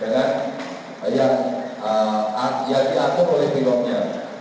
dengan yang diatur oleh pilotnya